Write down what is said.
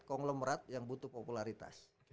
konglomerat yang butuh popularitas